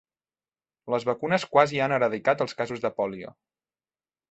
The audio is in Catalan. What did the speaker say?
Les vacunes quasi han eradicat els casos de pòlio.